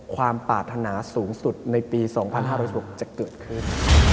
ความปรารถนาสูงสุดในปี๒๕๐๖จะเกิดขึ้น